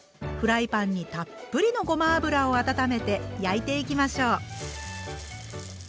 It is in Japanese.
フライパンにたっぷりのごま油を温めて焼いていきましょう。